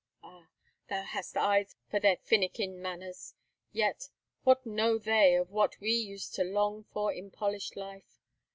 "Ah! thou hast eyes for their finikin manners! Yet what know they of what we used to long for in polished life!